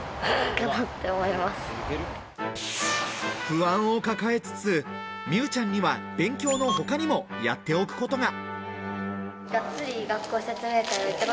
不安を抱えつつ、美羽ちゃんには勉強の他にもやっておくことが。